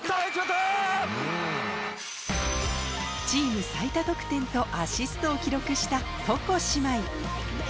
チーム最多得点とアシストを記録した床姉妹。